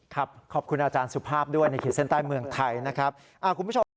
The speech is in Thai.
ครับขอบคุณอาจารย์สุภาพด้วยในขีดเส้นใต้เมืองไทยนะครับ